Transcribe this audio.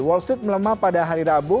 wall street melemah pada hari rabu